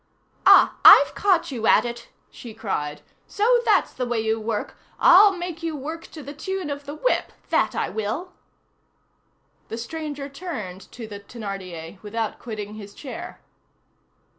"Ah! I've caught you at it!" she cried. "So that's the way you work! I'll make you work to the tune of the whip; that I will." The stranger turned to the Thénardier, without quitting his chair.